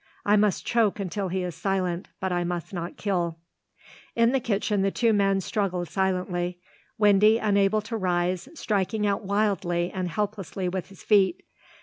"I must choke until he is silent, but I must not kill." In the kitchen the two men struggled silently. Windy, unable to rise, struck out wildly and helplessly with his feet.